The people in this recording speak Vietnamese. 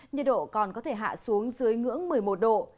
nhiệt độ còn có thể hạ xuống dưới ngưỡng một mươi một độ